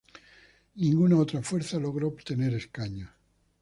Ninguna otra fuerza logró obtener escaños.